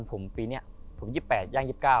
ผมปีนี้ผม๒๘ย่าง๒๙